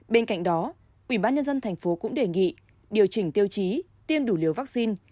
bên cạnh đó ubnd tp hcm cũng đề nghị điều chỉnh tiêu chí tiêm đủ liều vaccine